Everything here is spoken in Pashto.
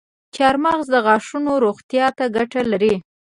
چارمغز د غاښونو روغتیا ته ګټه لري.